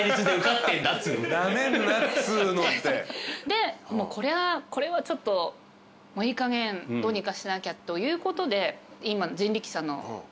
でこれはちょっといいかげんどうにかしなきゃということで今。